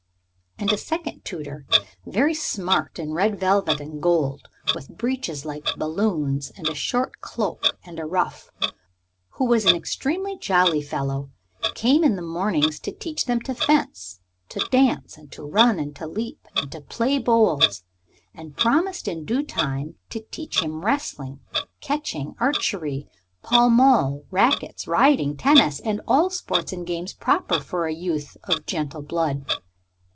And a second tutor, very smart in red velvet and gold, with breeches like balloons and a short cloak and a ruff, who was an extremely jolly fellow, came in the mornings to teach him to fence, to dance, and to run and to leap and to play bowls, and promised in due time to teach him wrestling, catching, archery, pall mall, rackets, riding, tennis, and all sports and games proper for a youth of gentle blood.